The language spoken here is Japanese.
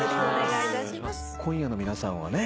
今夜の皆さんはね